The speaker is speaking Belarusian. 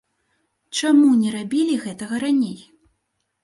Чаму не рабілі гэтага раней?